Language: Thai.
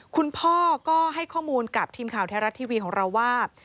คุณพ่อก็ให้ข้อมูลกับทีมข่าวไทยรัฐทีวีของเราว่า